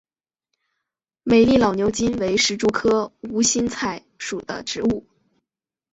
美丽老牛筋为石竹科无心菜属的植物。